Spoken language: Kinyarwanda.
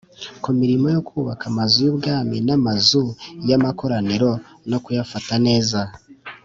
ku mirimo yo kubaka Amazu y Ubwami n Amazu y Amakoraniro no kuyafata neza